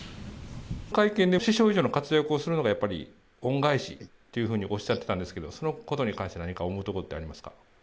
会見で師匠以上の活躍をするのが、やっぱり恩返しっていうふうにおっしゃってたんですけど、そのことに関して何か思うところってありますか？